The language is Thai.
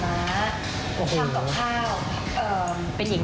ต้องอดทนมากจริง